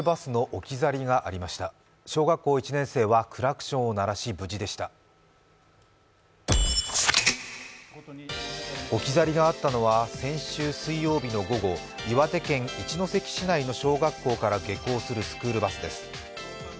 置き去りがあったのは先週水曜日の午後、岩手県一関市内の小学校から下校するスクールバスです。